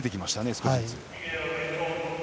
少しずつ。